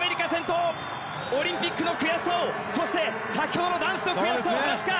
オリンピックの悔しさをそして、先ほどの男子の悔しさを晴らすか。